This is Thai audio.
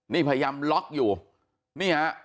นี่พยายามล็อกอยู่นี่ฮะ